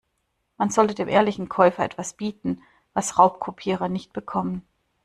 Man sollte dem ehrlichen Käufer etwas bieten, was Raubkopierer nicht bekommen.